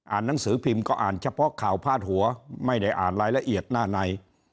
หนังสือพิมพ์ก็อ่านเฉพาะข่าวพาดหัวไม่ได้อ่านรายละเอียดหน้าใน